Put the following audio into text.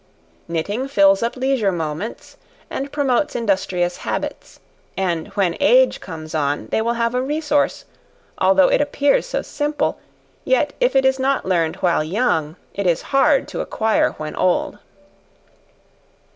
Knitting fills up leisure moments, and promotes industrious habits; and when age comes on, they will have a resource, although it appears so simple, yet if it is not learned while young it is hard to acquire when old.